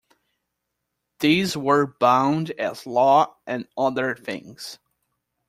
These were bound as "Law and Other Things".